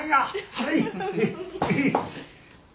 はい。